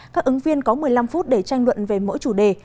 các ứng viên có một mươi năm phút để tranh luận về mỗi chủ đề